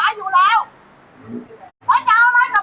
วันเหล่าก้าว๕๐๐